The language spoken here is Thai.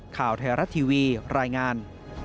ข่าวไทยรัฐทีวีรายงาน